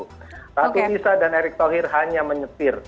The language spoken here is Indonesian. ratu tisa dan erick thohir hanya menyetir